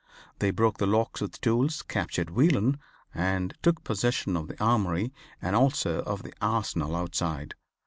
They broke the locks with tools, captured Whelan, and took possession of the Armory and also of the Arsenal outside.